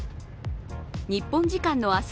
日本時間の明日